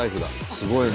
すごいね。